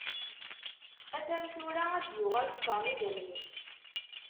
A-t-an tura, ad d-yuɣal ttaṛ n idammen-is.